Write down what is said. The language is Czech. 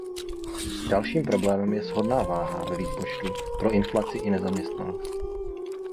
Dalším problémem je shodná váha ve výpočtu pro inflaci i nezaměstnanost.